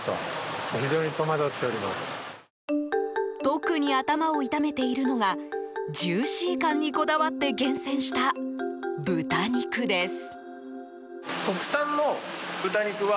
特に頭を痛めているのがジューシー感にこだわって厳選した、豚肉です。